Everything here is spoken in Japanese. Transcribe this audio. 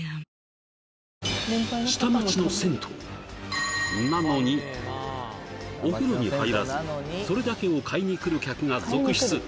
そんな「なのに」とはええ！お風呂に入らずそれだけを買いに来る客が続出！